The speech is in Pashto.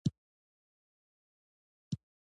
نجلۍ له طبیعته الهام اخلي.